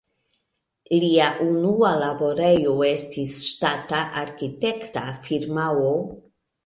Lia unua laborejo estis ŝtata arkitekta firmao.